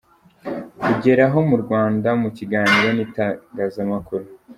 kugeraho mu Rwanda mu kiganiro n’itangazamakuru.